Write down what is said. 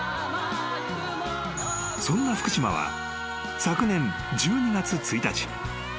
［そんな福島は昨年１２月１日］